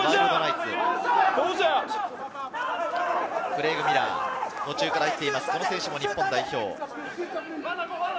クレイグ・ミラー、途中から入っています、この選手も日本代表。